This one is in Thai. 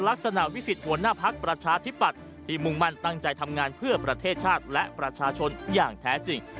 ลักษณะวิสิทธิหัวหน้าพักประชาธิปัตย์ที่มุ่งมั่นตั้งใจทำงานเพื่อประเทศชาติและประชาชนอย่างแท้จริง